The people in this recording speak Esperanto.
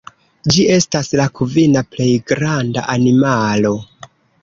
Ĝi estas la kvina plej granda animalo.